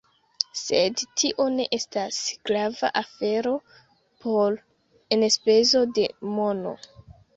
Sed tio ne estas grava afero por enspezo de mono